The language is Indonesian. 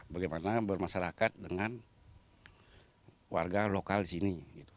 bagaimana bermasyarakat dengan warga lokal di sini